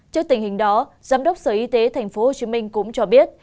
trước tình hình đó giám đốc sở y tế tp hcm cũng cho biết